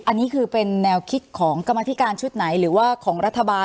อันนี้คือเป็นแนวคิดของกรรมธิการชุดไหนหรือว่าของรัฐบาล